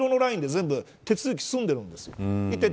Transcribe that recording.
上の青色のラインで全部手続きが済んでるんです。